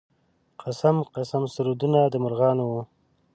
قسم قسم سرودونه د مرغانو و.